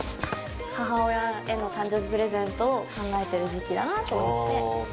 母親への誕生日プレゼントを考えてる時期だなと思って。